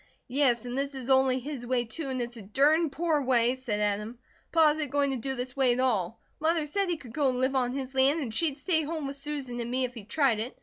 "Yes, and THIS is only his way, too, and it's a dern poor way," said Adam. "Pa isn't going to do this way at all. Mother said he could go and live on his land, and she'd stay home with Susan and me, if he tried it.